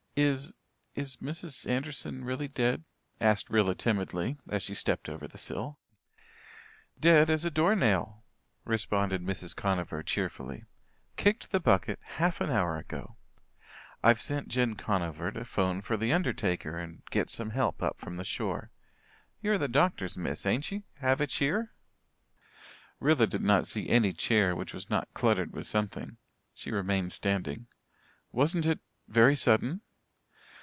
"Is is Mrs. Anderson really dead?" asked Rilla timidly, as she stepped over the sill. "Dead as a door nail," responded Mrs. Conover cheerfully. "Kicked the bucket half an hour ago. I've sent Jen Conover to 'phone for the undertaker and get some help up from the shore. You're the doctor's miss, ain't ye? Have a cheer?" Rilla did not see any chair which was not cluttered with something. She remained standing. "Wasn't it very sudden?"